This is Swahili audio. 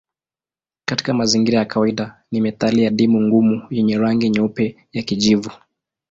Katika mazingira ya kawaida ni metali adimu ngumu yenye rangi nyeupe ya kijivu.